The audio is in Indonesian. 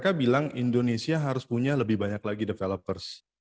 mereka bilang indonesia harus punya lebih banyak lagi developers